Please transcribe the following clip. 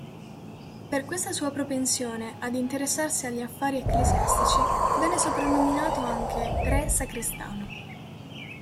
Per questa sua propensione ad interessarsi agli affari ecclesiastici venne soprannominato anche "re sacrestano".